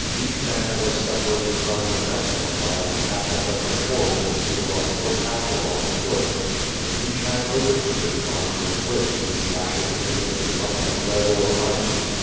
Each band was separated from the next one by a detach ment of pretorians cither on horseback or on foot, and each ^74 QUO VADTf^. Imd overseers armed with whips wlior^c lashes ended in lump^ of load or iron.